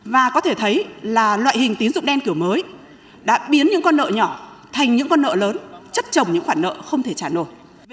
và có thể thấy là loại hình tín dụng đen kiểu mới đã biến những con nợ nhỏ thành những con nợ lớn chất trồng những khoản nợ không thể trả nổi